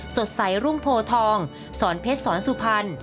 สดใสรุ่งโพทองสอนเพชรสอนสุพรรณ